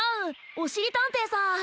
おしりたんていさん！